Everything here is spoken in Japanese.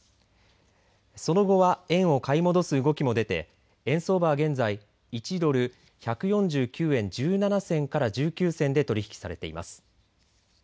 その後は円を買い戻す動きも出て円相場は現在１ドル１４９円１７銭から１９銭で取り引きされています。